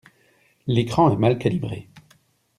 L'écran est mal calibré.